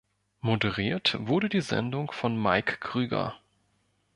Moderiert wurde die Sendung von Mike Krüger.